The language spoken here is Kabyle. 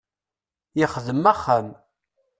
Yexdem axxam.